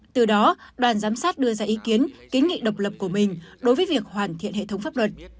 từ đó đoàn giám sát đưa ra ý kiến kiến nghị độc lập của mình đối với việc hoàn thiện hệ thống pháp luật